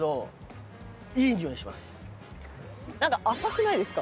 なんか浅くないですか？